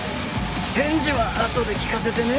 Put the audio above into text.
返事はあとで聞かせてね。